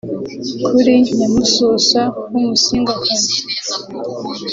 Kuri Nyamususa w’umusingakazi